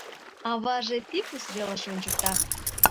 — Аваже фикус велыш ончыкта.